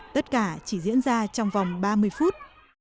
tất cả chỉ diễn ra trong vòng ba mươi phút